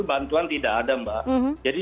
bantuan tidak ada mbak jadi